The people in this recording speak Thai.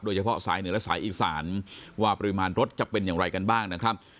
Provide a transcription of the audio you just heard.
สายเหนือและสายอีสานว่าปริมาณรถจะเป็นอย่างไรกันบ้างนะครับ